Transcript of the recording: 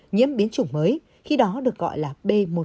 nhiễm biến chủng mới khi đó được gọi là b một